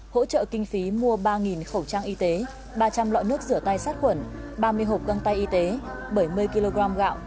hỗ trợ kinh phí mua ba khẩu trang y tế ba trăm linh lọ nước rửa tay sát khuẩn ba mươi hộp găng tay y tế bảy mươi kg gạo